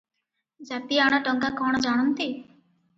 ଜାତିଆଣ ଟଙ୍କା କଣ ଜାଣନ୍ତି?